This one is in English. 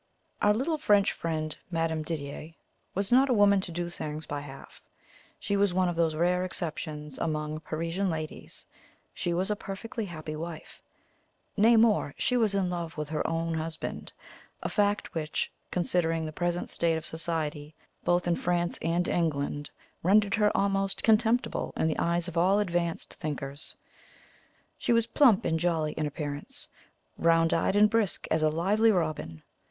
Our little French friend, Madame Didier, was not a woman to do things by halves. She was one of those rare exceptions among Parisian ladies she was a perfectly happy wife; nay, more, she was in love with her own husband, a fact which, considering the present state of society both in France and England, rendered her almost contemptible in the eyes of all advanced thinkers. She was plump and jolly in appearance; round eyed and brisk as a lively robin.